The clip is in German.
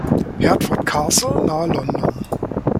Hertford Castle nahe London.